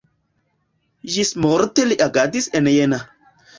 Ĝismorte li agadis en Jena.